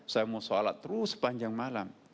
saya mau sholat terus sepanjang malam